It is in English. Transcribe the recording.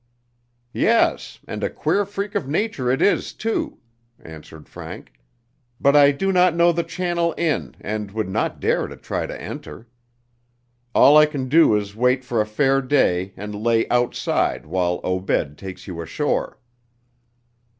"Yes, and a queer freak of nature it is, too," answered Frank, "but I do not know the channel in, and would not dare to try to enter. All I can do is to wait for a fair day and lay outside while Obed takes you ashore."